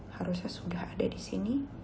harusnya sudah ada di sini